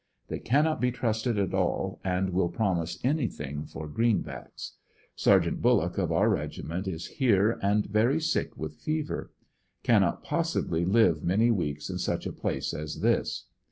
They cannot be trusted at all and will promise anything for greenbacks. Sergt. Bullock of our regiment is here and very sick with f ev'cr ; cannot possibly live many weeks in such a place as this.